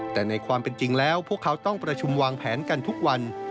แต่ในความเป็นจริงแล้วพวกเขาต้องประชุมวางแผนกันทุกวัน